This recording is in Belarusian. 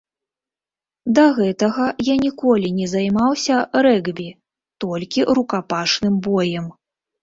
Да гэтага я ніколі не займаўся рэгбі, толькі рукапашным боем.